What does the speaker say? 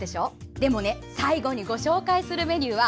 でも最後にご紹介するメニューは